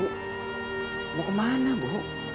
ibu kemana ibu